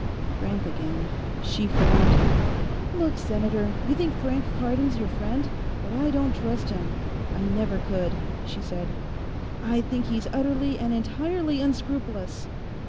Frank again. She frowned. "Look, Senator; you think Frank Cardon's your friend, but I don't trust him. I never could," she said. "I think he's utterly and entirely unscrupulous.